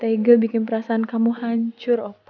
rara gak tegel bikin perasaan kamu hancur opah